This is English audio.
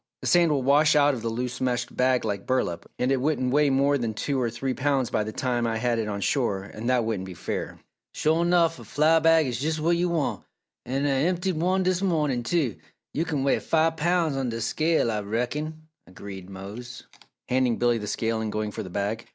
The sand will wash out of a loose meshed bag like burlap, and it wouldn't weigh more than two or three pounds by the time I had it on shore, and that wouldn't be fair." "Sho, nuff! A flour bag is jus what yo' want an' Ah emptied one dis mawnin', too. Yo' kin weigh five poun's on dis scale, Ah reckon," agreed Mose, handing Billy the scale and going for the bag.